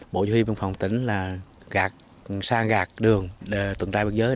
bộ chủ yếu văn phòng tỉnh là sang gạt đường tuần trai biên giới